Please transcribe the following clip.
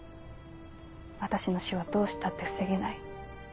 私の死はどうしたって防げない。